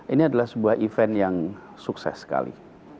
ini adalah sebuah event yang sukses sekali